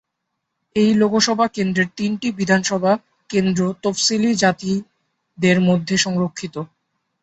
এই লোকসভা কেন্দ্রের তিনটি বিধানসভা কেন্দ্র তফসিলী জাতিদের জন্য সংরক্ষিত।